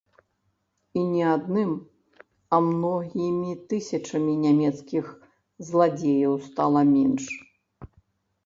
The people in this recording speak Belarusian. І не адным, а многімі тысячамі нямецкіх зладзеяў стала менш.